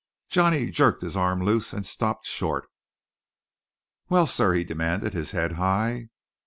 Johnny jerked his arm loose and stopped short. "Well, sir!" he demanded, his head high.